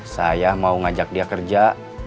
saya mau ngajak dia kerja